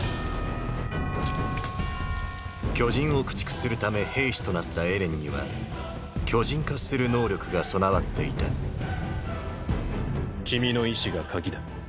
巨人を駆逐するため兵士となったエレンには巨人化する能力が備わっていた君の意志が「鍵」だ。